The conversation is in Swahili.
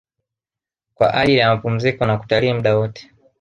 Kwa ajili ya mapumziko na kutalii muda wote